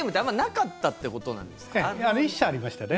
１社ありましたね。